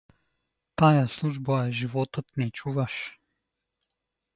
Тая служба е животът ни, чуваш?